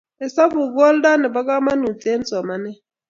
hesabuk ko oldo nepo kamanut eng somanet